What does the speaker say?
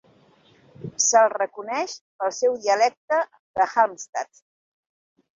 Se'l reconeix pel seu dialecte de Halmstad.